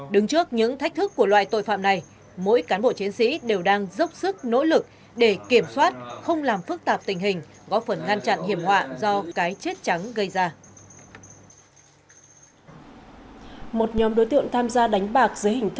đứng trước những thách thức của loại tội phạm này mỗi cán bộ chiến sĩ đều đang dốc sức nỗ lực để kiểm soát không làm phức tạp tình hình góp phần ngăn chặn hiểm họa do cái chết trắng gây ra